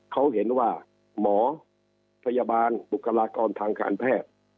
เขาเห็นว่าหมอพยาบาลบุคลากรทางการแพทย์